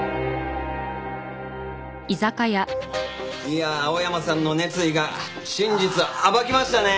いやあ青山さんの熱意が真実を暴きましたね！